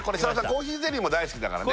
コーヒーゼリーも大好きだからね